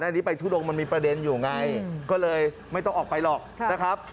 อันนี้ไปทุดงมันมีประเด็นอยู่ไงก็เลยไม่ต้องออกไปหรอกนะครับ